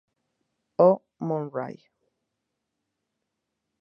Oh Murray!!!